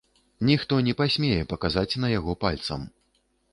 Ніхто не пасмее паказаць на яго пальцам.